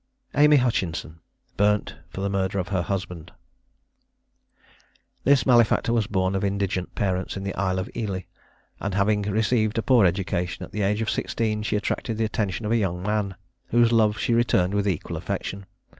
AMY HUTCHINSON. BURNT FOR THE MURDER OF HER HUSBAND. This malefactor was born of indigent parents, in the Isle of Ely, and having received a poor education, at the age of sixteen she attracted the attention of a young man, whose love she returned with equal affection.